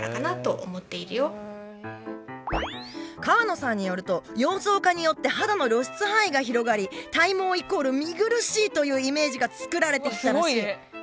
河野さんによると洋装化によって肌の露出範囲が広がり体毛イコール見苦しいというイメージが作られていたらしい。